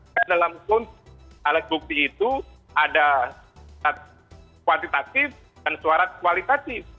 karena alat bukti itu ada suara kualitatif dan suara kualitatif